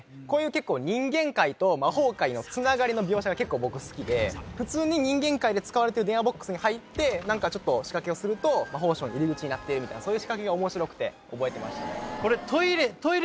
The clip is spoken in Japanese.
こういう結構人間界と魔法界のつながりの描写が結構僕好きで普通に人間界で使われてる電話ボックスに入って何かちょっと仕掛けをすると魔法省の入り口になってみたいなそういう仕掛けが面白くて覚えてましたね